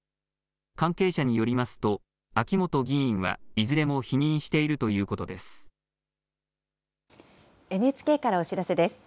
関係者によりますと、秋本議員はいずれも否認しているということＮＨＫからお知らせです。